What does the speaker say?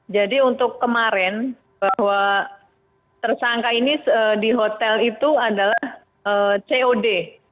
jadi untuk kemarin bahwa tersangka ini di hotel itu adalah cod